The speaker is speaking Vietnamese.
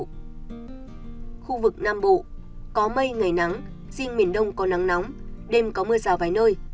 khu vực nam bộ có mây ngày nắng riêng miền đông có nắng nóng đêm có mưa rào vài nơi